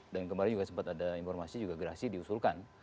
dan kemarin juga sempat ada informasi juga grasi diusulkan